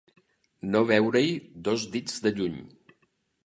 No veure-hi dos dits de lluny.